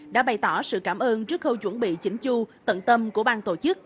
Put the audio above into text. đã bày tỏ sự cảm ơn trước khâu chuẩn bị chỉnh chu tận tâm của bang tổ chức